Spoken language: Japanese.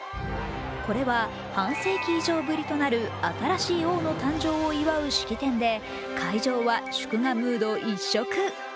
これは半世紀以上ぶりとなる新しい王の誕生を祝う式典で会場は祝賀ムード一色。